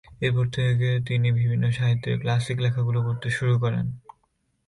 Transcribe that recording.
এরপর থেকে তিনি বিভিন্ন সাহিত্যের ক্লাসিক লেখাগুলো পড়তে শুরু করেন।